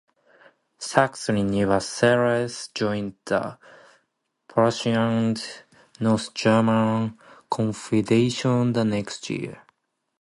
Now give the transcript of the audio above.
Saxony nevertheless joined the Prussian-led North German Confederation the next year.